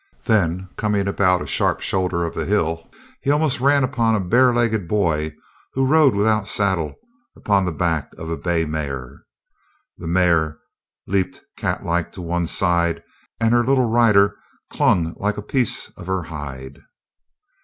Then, coming about a sharp shoulder of the hill, he almost ran upon a bare legged boy, who rode without saddle upon the back of a bay mare. The mare leaped catlike to one side, and her little rider clung like a piece of her hide.